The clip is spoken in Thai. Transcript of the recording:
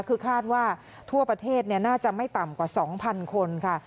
คือคาดว่าทั่วประเทศน่าจะไม่ต่ำกว่า๒๐๐คนค่ะ